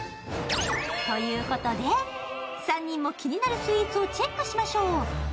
ということで、３人も気になるスイーツをチェックしましょう。